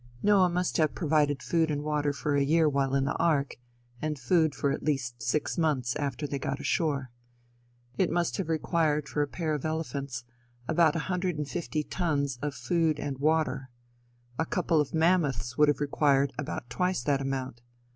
Noah must have provided food and water for a year while in the ark, and food for at least six months after they got ashore. It must have required for a pair of elephants, about one hundred and fifty tons of food and water. A couple of mammoths would have required about twice that amount.